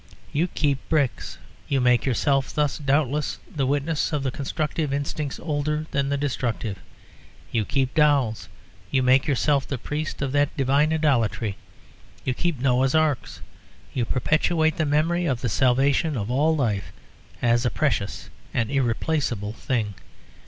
You keep bricks; you make yourself thus, doubtless, the witness of the constructive instinct older than the destructive. You keep dolls; you make yourself the priest of that divine idolatry. You keep Noah's Arks; you perpetuate the memory of the salvation of all life as a precious, an irreplaceable thing.